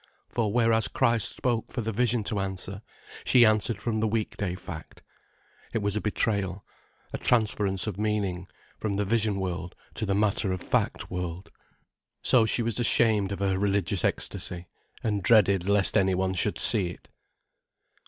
For whereas Christ spoke for the Vision to answer, she answered from the weekday fact. It was a betrayal, a transference of meaning, from the vision world, to the matter of fact world. So she was ashamed of her religious ecstasy, and dreaded lest any one should see it.